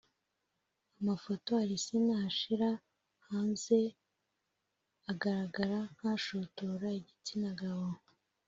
Amafoto Asinah ashyira hanze agaragara nkashotora igitsinda gabo